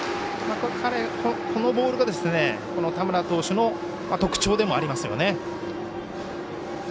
このボールが田村投手の特徴でもあります。